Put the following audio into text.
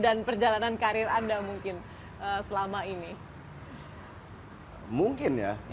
dan perjalanan karir anda mungkin selama ini